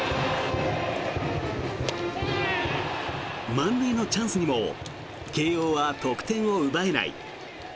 満塁のチャンスにも慶応は得点を奪えない。